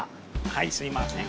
はいすいません。